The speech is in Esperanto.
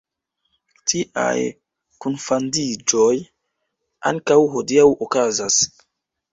Tiaj kunfandiĝoj ankaŭ hodiaŭ okazas.